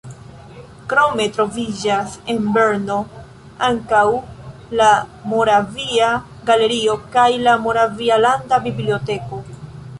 Krome troviĝas en Brno ankaŭ la Moravia galerio kaj la Moravia landa biblioteko.